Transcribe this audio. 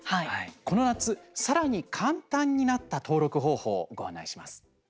この夏さらに簡単になった登録方法、ご案内します。